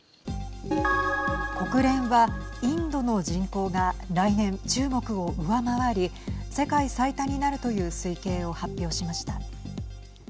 国連は、インドの人口が来年、中国を上回り世界最多になるという推計を発表しました。